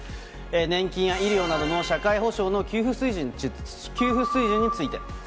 年金や医療などの社会保障の給付水準について。